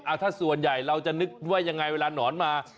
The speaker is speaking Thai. ถ้าส่วนใหญ่เราจะนึกว่ายังไงเวลาหนอนมา